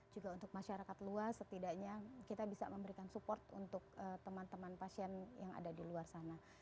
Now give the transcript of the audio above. juga untuk masyarakat luas setidaknya kita bisa memberikan support untuk teman teman pasien yang ada di luar sana